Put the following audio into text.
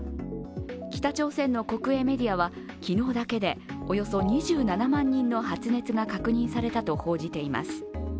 北朝鮮の国営メディアは昨日だけでおよそ２７万人の発熱が確認されたと報じています。